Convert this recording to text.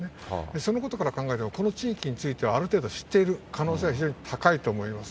そのことから考えると、この地域については、ある程度知っている可能性は非常に高いと思います。